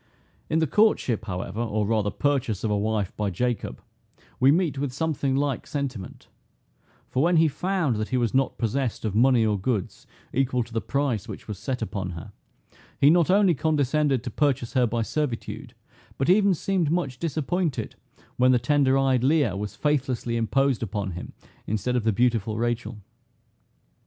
In the courtship, however, or rather purchase of a wife by Jacob, we meet with something like sentiment; for when he found that he was not possessed of money or goods, equal to the price which was set upon her, he not only condescended to purchase her by servitude, but even seemed much disappointed when the tender eyed Leah was faithlessly imposed upon him instead of the beautiful Rachel.